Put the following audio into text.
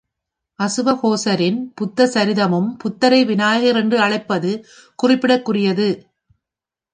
அசுவகோசரின் புத்தசரிதமும் புத்தரை விநாயகர் என்று அழைப்பது குறிப்பிடற்குரியது.